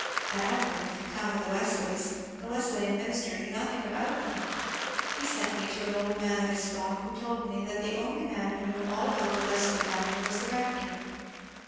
At Epworth, town of the Wesleys, the Wesleyan minister knew nothing about them ; he sent me to an old man of his flock, who told me that the only man who knew all about the Wesley family was the rector.